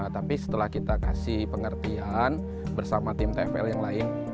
tapi setelah kita kasih pengertian bersama tim tfl yang lain